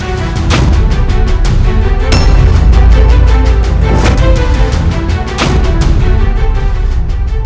tetap tetap aperhatikan